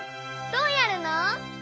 どうやるの？